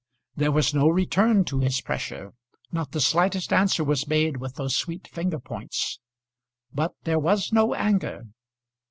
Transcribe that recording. There was no return to his pressure; not the slightest answer was made with those sweet finger points; but there was no anger.